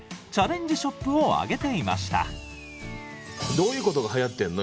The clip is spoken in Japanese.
どういうことがはやってんの？